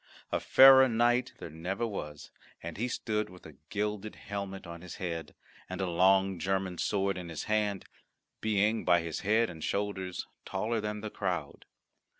A fairer knight there never was, and he stood with a gilded helmet on his head, and a long German sword in his hand, being by his head and shoulders taller than the crowd.